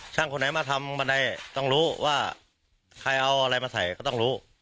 คนไหนมาทำบันไดต้องรู้ว่าใครเอาอะไรมาใส่ก็ต้องรู้